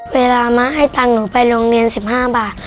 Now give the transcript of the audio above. เวลามาให้ตังหนูไปโรงเรียน๑๕บาท